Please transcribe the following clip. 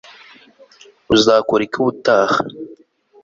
uzakora iki ubutaha